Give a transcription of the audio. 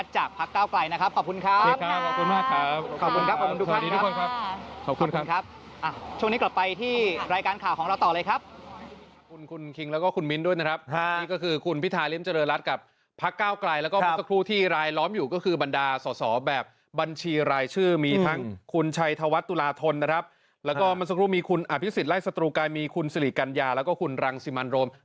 ช่วงนี้กลับไปที่รายการข่าวของเราต่อเลยครับ